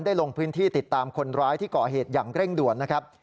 ลงพื้นที่ติดตามคนร้ายที่ก่อเหตุอย่างเร่งด่วนนะครับ